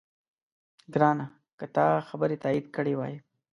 ګرانه! که تا خبرې تایید کړې وای،